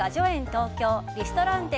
東京リストランテ